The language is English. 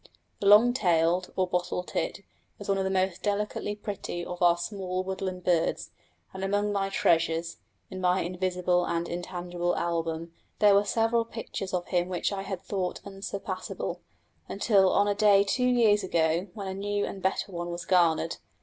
The long tailed or bottle tit is one of the most delicately pretty of our small woodland birds, and among my treasures, in my invisible and intangible album, there were several pictures of him which I had thought unsurpassable, until on a day two years ago when a new and better one was garnered.